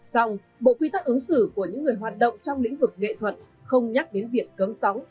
xong bộ quy tắc ứng xử của những người hoạt động trong lĩnh vực nghệ thuật không nhắc đến việc cấm sóng